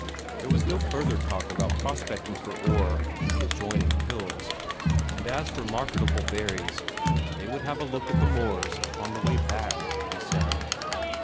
There was no further talk about prospecting for ore in the "adjoining hills," and as for marketable berries they would have a look at the moors on the way back, he said.